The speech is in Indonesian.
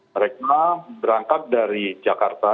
mereka berangkat dari jakarta